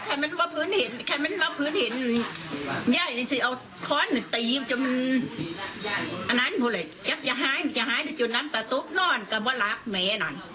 อันนั้นพูดเลยยักษ์จะหายจะหายจนน้ำตาตุ๊กนอนกับว่ารักแม่นั่น